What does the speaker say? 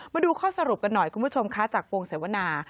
มาดูข้อสรุปกันหน่อยคุณผู้ชมคะจากวงเสวนา